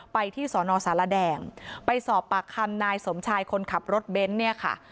ไปที่สอนอสารแดงไปสอบปากคำนายสมชายคนขับรถเบนท์เนี่ยค่ะ